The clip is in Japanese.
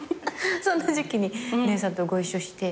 そんな時期に姉さんとご一緒して。